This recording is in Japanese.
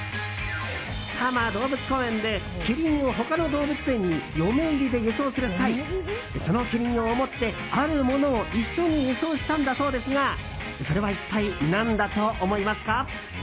多摩動物公園でキリンを他の動物園に嫁入りで輸送する際そのキリンを思ってあるものを一緒に輸送したんだそうですがそれは一体何だと思いますか？